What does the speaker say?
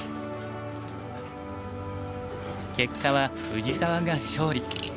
結果は藤沢が勝利。